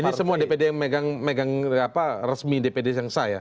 ini semua dpd yang megang resmi dpd yang sah ya